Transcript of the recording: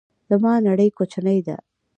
زما نړۍ کوچنۍ ده